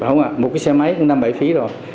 phải không ạ một cái xe máy cũng năm mươi bảy phí rồi